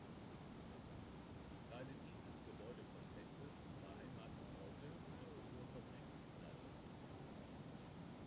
Teile dieses Gebäudekomplexes beheimaten heute die Kulturfabrik Salzmann.